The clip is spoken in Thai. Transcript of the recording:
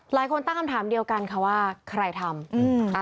หลายคนตั้งคำถามเดียวกันค่ะว่าใครทำ